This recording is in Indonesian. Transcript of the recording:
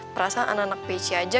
perasa anak anak bc aja